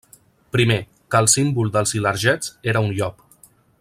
Primer, que el símbol dels ilergets era un llop.